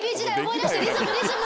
リズムリズム！